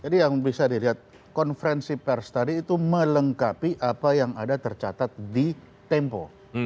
jadi yang bisa dilihat konferensi pers tadi itu melengkapi apa yang ada tercatat di tempo